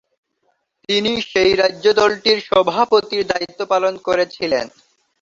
তিনি সেই রাজ্যে দলটির সভাপতির দায়িত্ব পালন করেছিলেন।